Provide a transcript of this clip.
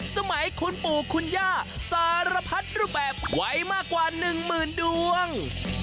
สมัยคุณปู่คุณย่าสารพัดรูปแบบไว้มากกว่า๑หมื่นดวง